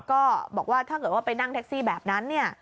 ก็บอกว่าถ้าเกิดว่าไปนั่งแท็กซี่แบบนั้นเนี่ย